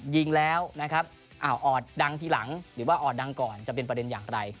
ยิงแล้วนะครับอ้าวออดดังทีหลังหรือว่าออดดังก่อนจะเป็นประเด็นอย่างไร